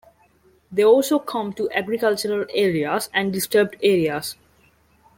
They also come to agricultural areas and disturbed areas.